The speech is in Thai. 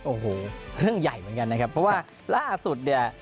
โอ้โหเรื่องใหญ่เหมือนกันนะครับเพราะว่าล่าสุดเนี่ย